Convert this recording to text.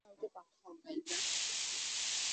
শীঘ্রই কাউকে পাঠাও, রাইটার।